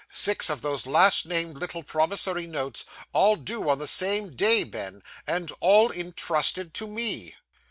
Six of those last named little promissory notes, all due on the same day, Ben, and all intrusted to me!